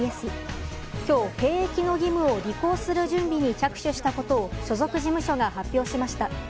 今日兵役の義務を履行する準備に着手したことを所属事務所が発表しました。